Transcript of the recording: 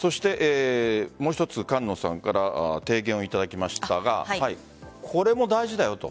もう一つ、菅野さんから提言をいただきましたがこれも大事だよと。